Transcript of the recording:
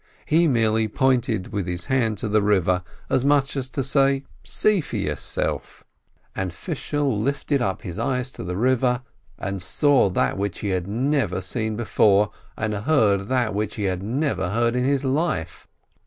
He merely pointed with his hand to the river, as much as to say, "See for yourself !" 134 SHOLOM ALECHEM And Fishel lifted up his eyes to the river, and saw that which he had never seen before, and heard that which he had never heard in his life.